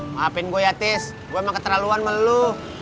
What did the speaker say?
maafin gue ya tis gue emang keterlaluan melulu